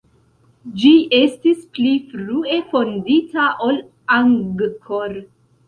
Ĝi estis pli frue fondita ol Angkor.